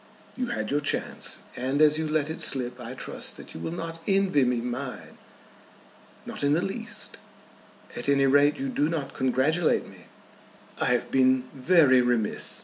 You had your chance, and as you let it slip I trust that you will not envy me mine." "Not in the least." "At any rate you do not congratulate me." "I have been very remiss.